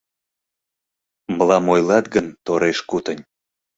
Мылам ойлат гын, тореш-кутынь